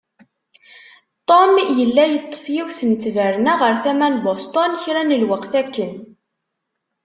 Tom yella yeṭṭef yiwet n ttberna ɣer tama n Bosten kra n lweqt akken.